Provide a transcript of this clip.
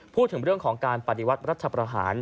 พูดถึงเรื่องของการปฏิวัติรัฐประหาร